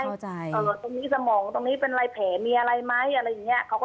ตรงนี้สมองตรงนี้เป็นอะไรแผลมีอะไรไหมอะไรอย่างเงี้ยเขาก็